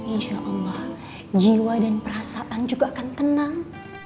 insya allah jiwa dan perasaan juga akan tenang